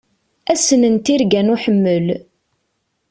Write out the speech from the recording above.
Ass-n n tirga n uḥemmel.